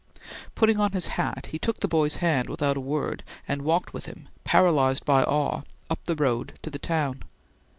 Putting on his hat, he took the boy's hand without a word, and walked with him, paralyzed by awe, up the road to the town.